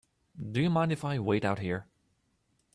Do you mind if I wait out here?